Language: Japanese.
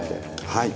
はい。